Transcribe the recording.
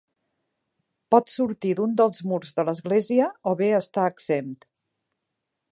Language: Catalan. Pot sortir d'un dels murs de l'església o bé estar exempt.